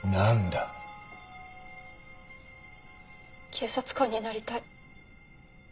警察官になりたい。